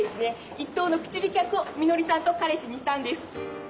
１等のクジ引き役をみのりさんと彼氏にしたんです。